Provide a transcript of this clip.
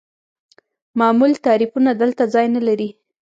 معمول تعریفونه دلته ځای نلري.